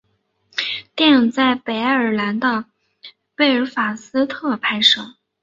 电影在北爱尔兰的贝尔法斯特拍摄。